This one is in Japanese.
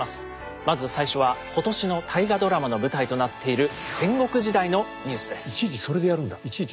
まず最初は今年の大河ドラマの舞台となっている戦国時代のニュースです。